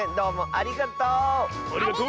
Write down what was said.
ありがとう！